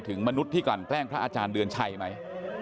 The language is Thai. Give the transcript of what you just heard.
มนุษย์ที่กลั่นแกล้งพระอาจารย์เดือนชัยไหม